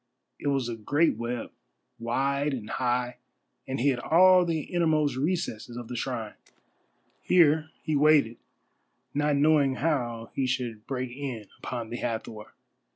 It was a great web, wide and high, and hid all the innermost recesses of the shrine. Here he waited, not knowing how he should break in upon the Hathor.